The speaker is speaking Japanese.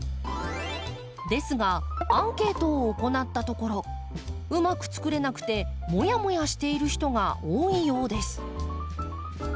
ですがアンケートを行ったところうまくつくれなくてモヤモヤしている人が多いようです。